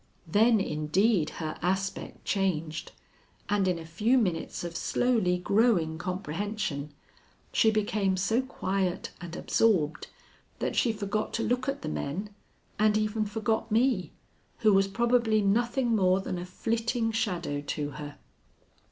Then indeed her aspect changed, and in a few minutes of slowly growing comprehension she became so quiet and absorbed that she forgot to look at the men and even forgot me, who was probably nothing more than a flitting shadow to her.